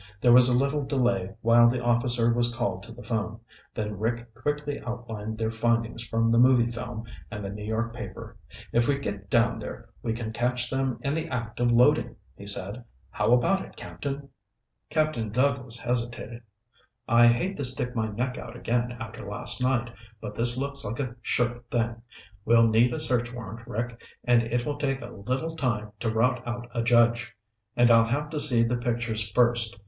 There was a little delay while the officer was called to the phone, then Rick quickly outlined their findings from the movie film and the New York paper. "If we get down there, we can catch them in the act of loading," he said. "How about it, Captain?" Captain Douglas hesitated. "I hate to stick my neck out again after last night, but this looks like a sure thing. We'll need a search warrant, Rick, and it will take a little time to rout out a judge. And I'll have to see the pictures first.